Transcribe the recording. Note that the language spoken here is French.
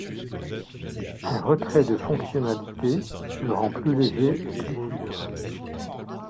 Un retrait de fonctionnalités le rend plus léger et plus sûr.